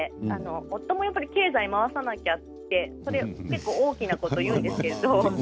夫も経済を回わなきゃって結構、大きなことを言うんですよ。